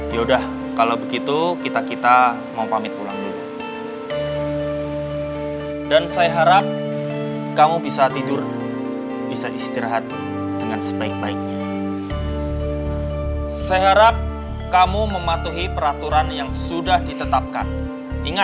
ingat tidak boleh telpon tidak boleh menerima telpon tanpa persetujuan kita